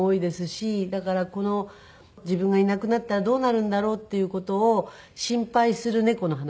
だからこの自分がいなくなったらどうなるんだろうっていう事を心配する猫の話。